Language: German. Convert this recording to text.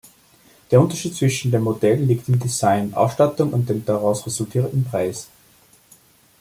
Der Unterschied zwischen den Modellen liegt in Design, Ausstattung und dem daraus resultierenden Preis.